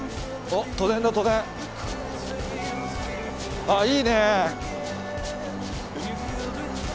ああいいね。